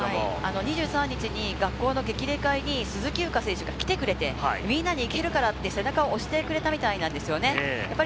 ２３日に学校の激励会に鈴木優花選手が来てくれて、みんなで行けるからって背中を押してくれたみたいなんですね。